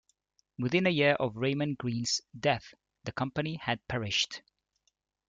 Within a year of Raymond Green's death, the company had perished.